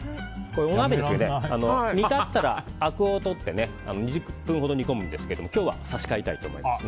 お鍋、煮立ったらあくを取って２０分ほど煮込むんですけど今日は差し替えたいと思います。